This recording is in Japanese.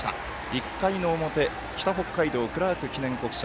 １回の表、北北海道クラーク記念国際。